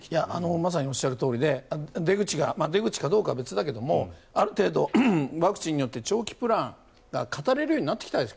まさにおっしゃるとおりで出口かどうかは別だけどある程度ワクチンによって長期プランが語れるようになってきたんです。